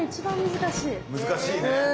難しいね。